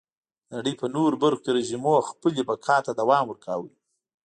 د نړۍ په نورو برخو کې رژیمونو خپلې بقا ته دوام ورکاوه.